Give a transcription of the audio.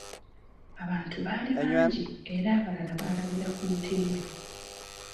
Abantu baali bangi era abalala baalabira ku lutimbe.